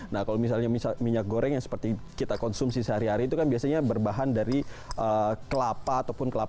nah kalau misalnya minyak goreng yang seperti kita konsumsi sehari hari itu kan biasanya berbahan dari kelapa ataupun kelapa